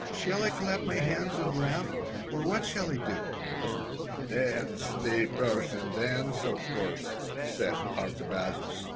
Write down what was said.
Shall I clap my hands and laugh, or what shall I do?" "Dance the Persian dance, of course," said Artabazus.